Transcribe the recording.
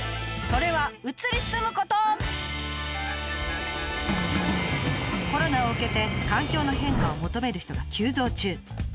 それはコロナを受けて環境の変化を求める人が急増中。